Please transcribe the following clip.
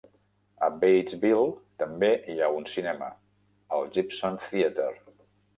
A Batesville també hi ha un cinema, el Gibson Theatre.